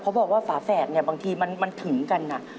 เพราะบอกว่าฝาแฝดบางทีมันถึงกัน